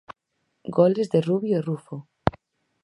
Goles de Rubio e Rufo.